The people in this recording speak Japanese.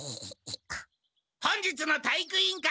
本日の体育委員会